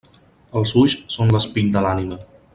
Els ulls són l'espill de l'ànima.